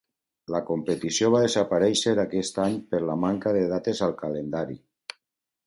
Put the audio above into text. La competició va desaparèixer aquest any per la manca de dates al calendari.